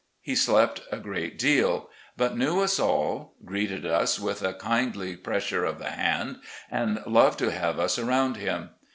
He slept a great deal, but knew us all, greeted us with a kindly pressure of the hand, and loved to have us around him.